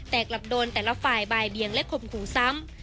แตกลับโดนแต่ละฝ่ายใบเบียงและเขมขูสั้น